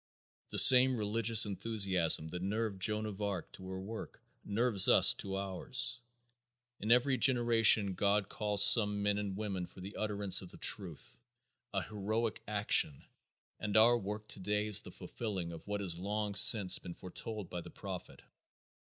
The same religious enthusiasm that nerved Joan of Arc to her work nerves us to ours. In every generation God calls some men and women for the utterance of the truth, a heroic action, and our work today is the fulfilling of what has long since been foretold by the prophet.